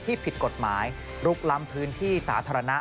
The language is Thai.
ผิดกฎหมายลุกล้ำพื้นที่สาธารณะ